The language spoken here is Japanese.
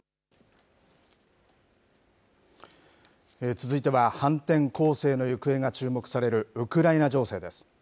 続いては、反転攻勢の行方が注目されるウクライナ情勢です。